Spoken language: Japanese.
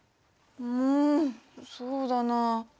うんそうだな。